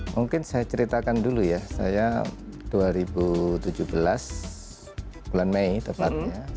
mungkin saya ceritakan dulu ya saya dua ribu tujuh belas bulan mei tepatnya